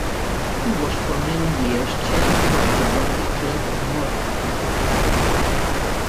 He was for many years chairman of the jockey club at Morphettville.